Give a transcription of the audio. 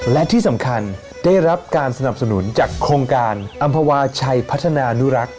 และที่สำคัญได้รับการสนับสนุนจากโครงการอำภาวาชัยพัฒนานุรักษ์